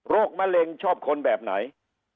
มะเร็งชอบคนแบบไหน